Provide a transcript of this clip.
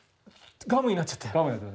ガムになっちゃった。